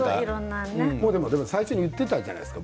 最初に言っていたじゃないですか。